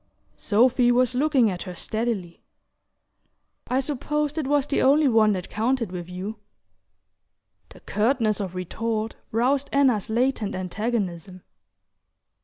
Sophy was looking at her steadily. "I supposed it was the only one that counted with you." The curtness of retort roused Anna's latent antagonism.